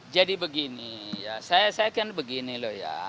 jadi begini ya saya kan begini loh ya